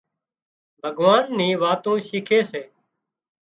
ڀُڳوان ني واتون شيکي سي